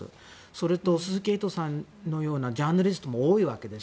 それと鈴木エイトさんみたいなジャーナリストも多いわけです。